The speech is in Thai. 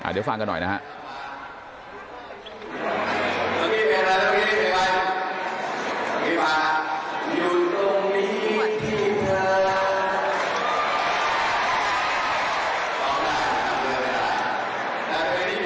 เดี๋ยวฟังกันหน่อยนะครับ